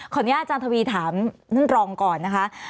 อนุญาตอาจารย์ทวีถามท่านรองก่อนนะคะ